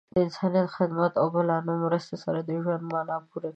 د انسانیت خدمت او د بلانو مرستې سره د ژوند معنا پوره کړئ.